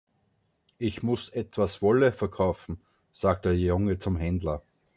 „Ich muss etwas Wolle verkaufen“, sagte der Junge zum Händler.